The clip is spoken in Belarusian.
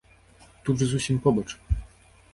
Тут жа зусім побач.